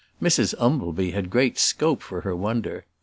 Mrs Umbleby had great scope for her wonder.